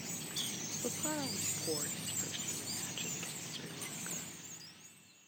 Bopara was poor in his first three matches against Sri Lanka.